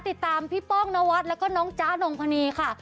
ติดตามพี่ป้องณวัตรและก็น้องจ้าน้องพรณีค่ะ